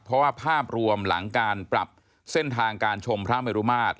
เพราะว่าภาพรวมหลังการปรับเส้นทางการชมพระเมรุมาตร